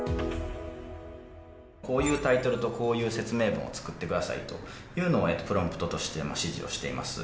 こういうタイトルとこういう説明文を作ってくださいというのは、プロンプトとして指示をしています。